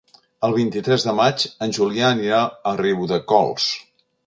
El vint-i-tres de maig en Julià anirà a Riudecols.